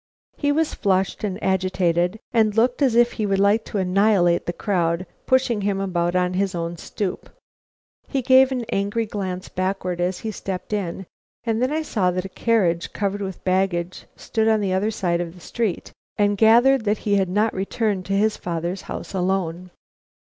He was flushed and agitated, and looked as if he would like to annihilate the crowd pushing him about on his own stoop. He gave an angry glance backward as he stepped in, and then I saw that a carriage covered with baggage stood on the other side of the street, and gathered that he had not returned to his father's house alone.